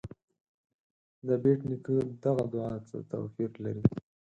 د بېټ نیکه دغه دعا څه توپیر لري.